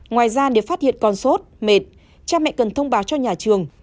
ngoài ra để phát hiện con sốt mệt cha mẹ cần thông báo cho nhà trường